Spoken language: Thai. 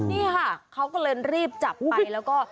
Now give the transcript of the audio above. นี่ค่ะเขาก็เลยรีบจับไปแล้วก็